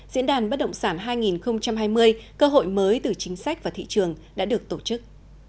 diễn đàn bất động sản hai nghìn hai mươi cơ hội mới từ chính sách và thị trường đã được tổ chức